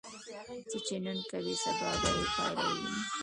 څه چې نن کوې، سبا به یې پایله ووینې.